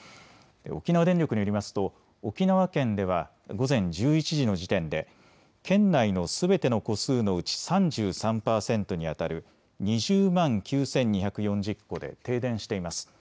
沖縄電力によりますと沖縄県では午前１１時の時点で県内のすべての戸数のうち３３％にあたる２０万９２４０戸で停電しています。